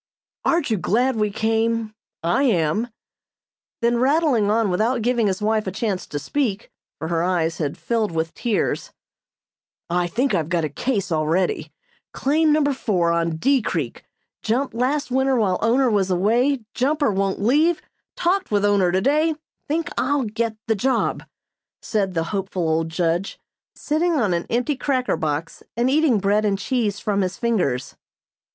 "Aren't you glad we came? I am." Then rattling on without giving his wife a chance to speak, for her eyes had filled with tears: "I think I've got a 'case' already. Claim number four on D. Creek jumped last winter while owner was away jumper won't leave talked with owner today think I'll get the job," said the hopeful old judge, sitting on an empty cracker box and eating bread and cheese from his fingers.